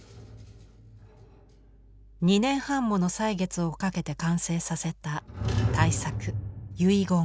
２年半もの歳月をかけて完成させた大作「遺言」。